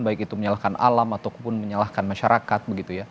baik itu menyalahkan alam ataupun menyalahkan masyarakat